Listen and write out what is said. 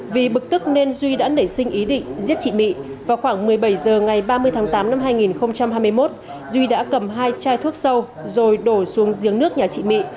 vì bực tức nên duy đã nảy sinh ý định giết chị mị vào khoảng một mươi bảy h ngày ba mươi tháng tám năm hai nghìn hai mươi một duy đã cầm hai chai thuốc sâu rồi đổ xuống giếng nước nhà chị mị